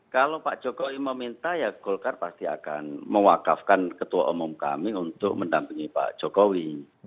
kalau pak jokowi meminta ya golkar pasti akan mewakafkan ketua umum kami untuk mendampingi pak jokowi